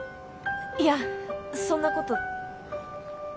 いやそんなこと。